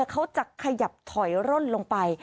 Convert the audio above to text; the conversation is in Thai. เขาจะขยับถอยร่นลงไป